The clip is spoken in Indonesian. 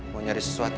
mau nyari sesuatu